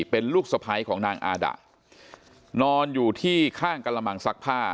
เป็นลูกสะพ้ายของนางอาดะนอนอยู่ที่ข้างกระมังซักผ้า